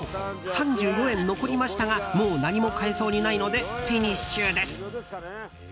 ３４円残りましたがもう何も買えそうにないのでフィニッシュです。